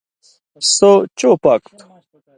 سو چو پاک تھُو،